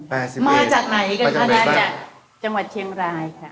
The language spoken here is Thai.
แปดสิบเอ็ดคนมาจากไหนกันค่ะจังหวัดเชียงรายค่ะมาจากไหนกันค่ะจังหวัดเชียงรายค่ะ